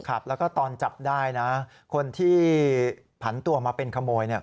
ครับแล้วก็ตอนจับได้นะคนที่ผันตัวมาเป็นขโมยเนี่ย